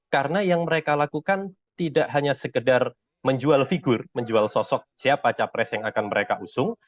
karena yang mereka lakukan tidak hanya sekedar menjual figur menjual sosok siapa capres yang akan mereka usung